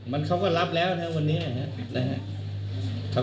มันเขาก็รับแล้วนะครับวันนี้นะครับ